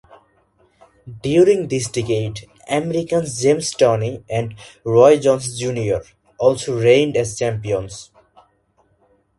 During this decade, Americans James Toney and Roy Jones Junior also reigned as champions.